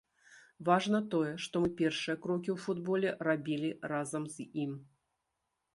Важна тое, што мы першыя крокі ў футболе рабілі разам з ім.